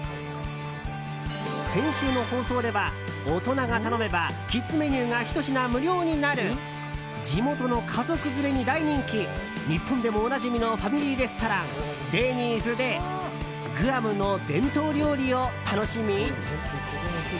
先週の放送では、大人が頼めばキッズメニューがひと品無料になる地元の家族連れに大人気日本でもおなじみのファミリーレストランデニーズでグアムの伝統料理を楽しみ。